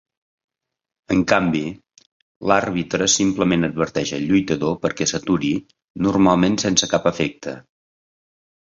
En canvi, l'àrbitre simplement adverteix el lluitador perquè s'aturi, normalment sense cap efecte.